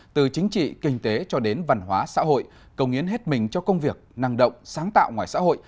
từ chính trị kinh tế cho đến văn hóa xã hội cầu nghiến hết mình cho công việc năng động sáng tạo ngoài xã hội